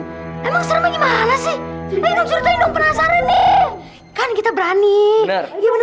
hai emang sering gimana sih ini cerita yang penasaran nih kan kita berani bener bener